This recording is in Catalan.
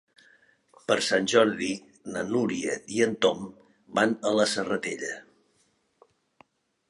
Per Sant Jordi na Núria i en Tom van a la Serratella.